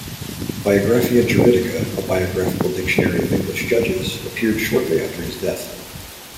"Biographia Juridica, a Biographical Dictionary of English Judges", appeared shortly after his death.